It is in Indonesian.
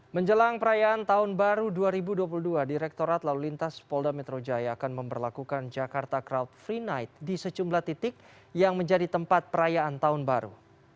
menjelang perayaan tahun baru dua ribu dua puluh dua direktorat lalu lintas polda metro jaya akan memperlakukan jakarta crowd free night di secumlah titik yang menjadi tempat perayaan tahun baru